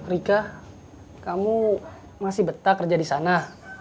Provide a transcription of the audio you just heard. rika kamu masih betah kerja di sana